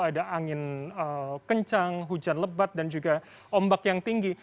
ada angin kencang hujan lebat dan juga ombak yang tinggi